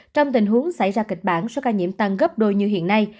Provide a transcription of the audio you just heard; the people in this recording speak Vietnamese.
trong tình huống xảy ra kịch bản số ca nhiễm tăng gấp đôi như hiện nay